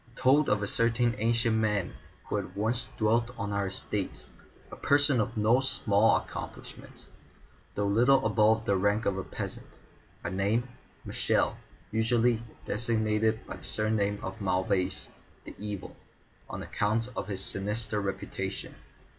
It told of a certain ancient man who had once dwelt on our estates, a person of no small accomplishments, though little above the rank of peasant; by name, Michel, usually designated by the surname of Mauvais, the Evil, on account of his sinister reputation.